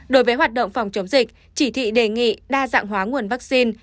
đối với hoạt động phòng chống dịch chỉ thị đề nghị đa dạng hóa nguồn vaccine